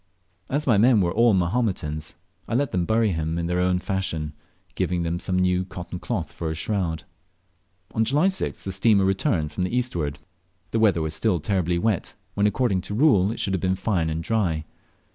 As my men were all Mahometans, I let them bury him in their own fashion, giving them some new cotton cloth for a shroud. On July 6th the steamer returned from the eastward. The weather was still terribly wet, when, according to rule, it should have been fine and dry.